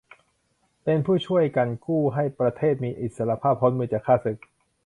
เป็นผู้ช่วยกันกู้ให้ประเทศมีอิสสรภาพพ้นมือจากข้าศึก